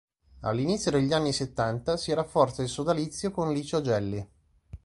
All'inizio degli anni settanta si rafforza il sodalizio con Licio Gelli.